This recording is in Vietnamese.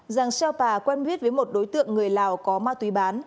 giàng xeo pà quen biết với một đối tượng người lào có ma túy bán